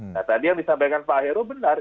nah tadi yang disampaikan pak heru benar